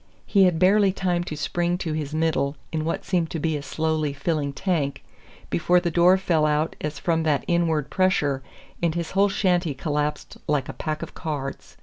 He had barely time to spring to his middle in what seemed to be a slowly filling tank before the door fell out as from that inward pressure, and his whole shanty collapsed like a pack of cards.